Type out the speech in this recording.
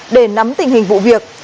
để nắm tình hình vụ việc